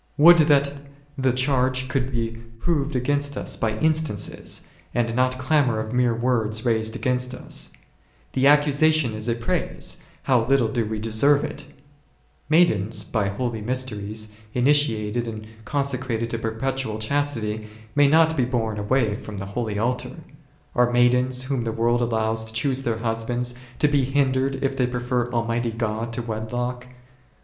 Would that the charge could be proved against us by instances, and not clamour of mere words raised against us ! The accusation is a praise, how little do we de serve it ! Maidens by holy mysteries initiated and conse o o o o ©n ^olg Utrgmtig 11 crated to perpetual chastity, may not be borne away from the Holy Altar ; are maidens, whom the world allows to choose their husbands, to be hindered, if they prefer Almighty God to wedlock